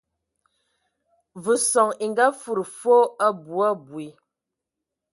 Ve son e ngaakud foo abui abui.